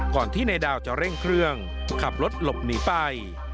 ที่นายดาวจะเร่งเครื่องขับรถหลบหนีไป